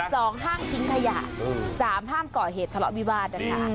สองห้ามทิ้งทะยาสามห้ามก่อเหตุศละวิบาท